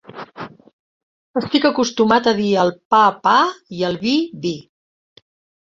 Estic acostumat a dir al pa, pa, i al vi, vi.